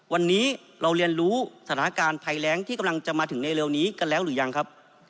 วันนี้เราเรียนรู้สถานการณ์ภัยแรงที่กำลังจะมาถึงในเร็วนี้กันแล้วหรือยังครับ